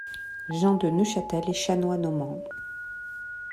Jean de Neufchâtel est chanoine au Mans.